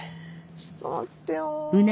ちょっと待ってよ